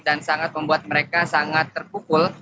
dan sangat membuat mereka sangat terpukul